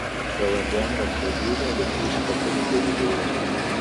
ګاونډيان راټولېږي او د پېښې خبري کوي ډېر,